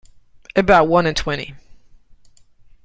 About one in twenty.